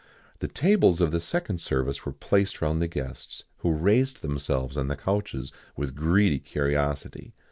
[XIX 67] The tables of the second service were placed round the guests, who raised themselves on the couches with greedy curiosity.